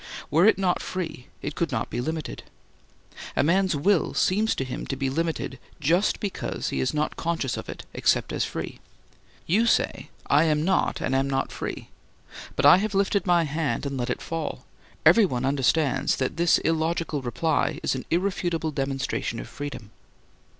Were it not free it could not be limited. A man's will seems to him to be limited just because he is not conscious of it except as free. You say: I am not free. But I have lifted my hand and let it fall. Everyone understands that this illogical reply is an irrefutable demonstration of freedom.